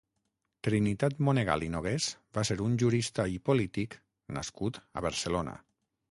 Trinitat Monegal i Nogués va ser un jurista i polític nascut a Barcelona.